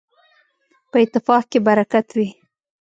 په اتفاق کي برکت وي.